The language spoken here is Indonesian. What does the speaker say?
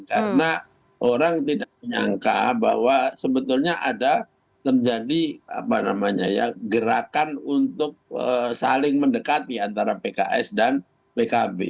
karena orang tidak menyangka bahwa sebetulnya ada terjadi gerakan untuk saling mendekati antara pks dan pkb